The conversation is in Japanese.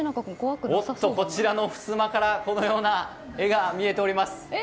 こちらのふすまから絵が見えております。